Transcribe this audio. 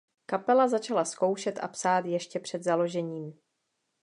Kapela začala zkoušet a psát ještě před založením.